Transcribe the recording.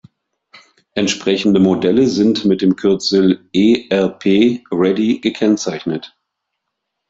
Entsprechende Modelle sind mit dem Kürzel „ErP ready“ gekennzeichnet.